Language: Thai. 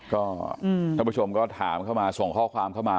ก็ท่านผู้ชมก็ถามเข้ามาส่งข้อความเข้ามา